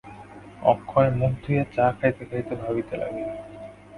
অক্ষয় মুখ ধুইয়া চা খাইতে খাইতে ভাবিতে লাগিল।